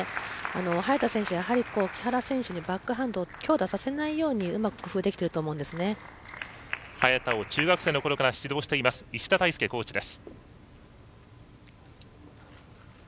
早田選手木原選手にバックハンドを強打させないようにうまく工夫できてると早田を中学生の時から指導しています石田大輔コーチです。